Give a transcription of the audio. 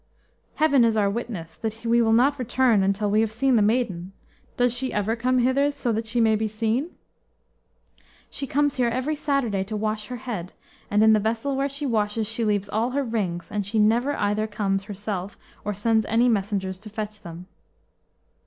"Heaven is our witness, that we will not return until we have seen the maiden. Does she ever come hither, so that she may be seen?" "She comes here every Saturday to wash her head, and in the vessel where she washes she leaves all her rings, and she never either comes herself or sends any messengers to fetch them."